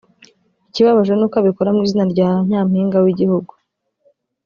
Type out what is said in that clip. ikibabaje ni uko abikora mu izina rya Nyampinga w’igihugu